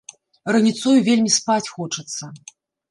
Раніцою вельмі спаць хочацца.